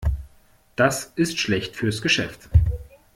Das ist schlecht fürs Geschäft.